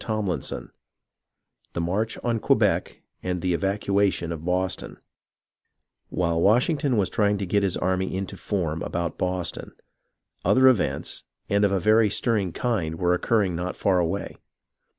CHAPTER IX THE MARCH ON QUEBEC AND THE EVACUATION OF BOSTON While Washington was trying to get his army into form about Boston, other events, and of a very stirring kind, were occurring not far away.